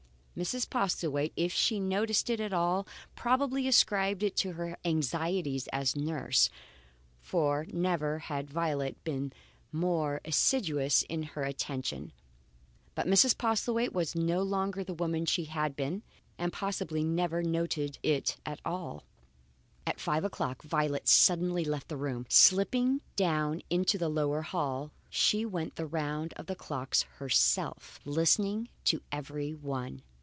Mrs. Postlethwaite, if she noticed it at all, probably ascribed it to her anxieties as nurse, for never had Violet been more assiduous in her attentions. But Mrs. Postlethwaite was no longer the woman she had been, and possibly never noted it at all. At five o'clock Violet suddenly left the room. Slipping down into the lower hall, she went the round of the clocks herself, listening to every one.